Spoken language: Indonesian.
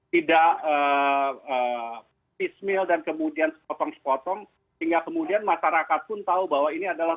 tidak pismill dan kemudian sepotong sepotong sehingga kemudian masyarakat pun tahu bahwa ini adalah